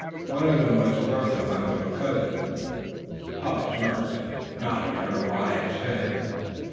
One of them was Bertha, my little cousin." Polly smirked, and nodded her wise head.